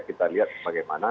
kita lihat bagaimana